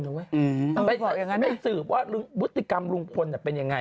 เป็นผู้สืบว่ารุ่นบุตติกรรมรุงพลเป็นอย่างไร